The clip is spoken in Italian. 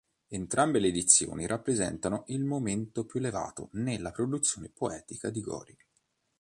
Entrambe le edizioni rappresentano il momento più elevato nella produzione poetica di Gori.